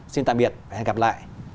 xin tạm biệt và hẹn gặp lại